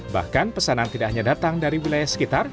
bahkan pesanan tidak hanya datang dari wilayah sekitar